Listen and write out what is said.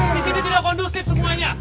disini tidak kondusif semuanya